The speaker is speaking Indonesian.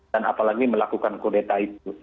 dan apalagi melakukan kodeta itu